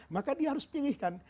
maka dia harus pilihkan